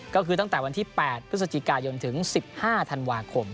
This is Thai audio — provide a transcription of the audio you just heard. ก็คือตั้งแต่วันที่๘พฤศจิกายนถึง๑๕ธันวาคม